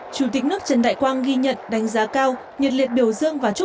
chủ tịch nước trần đại quang ghi nhận đánh giá cao nhiệt liệt biểu dương và chúc